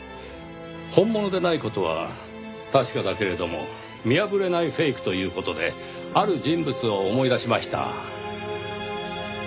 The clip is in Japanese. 本物でない事は確かだけれども見破れないフェイクという事である人物を思い出しました。